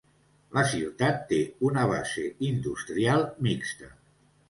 La ciutat té una base industrial mixta.